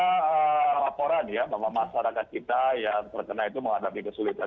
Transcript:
ada laporan ya bahwa masyarakat kita yang terkena itu menghadapi kesulitan